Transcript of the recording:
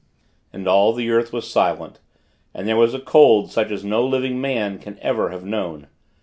And all the earth was silent. And there was a cold, such as no living man can ever have known.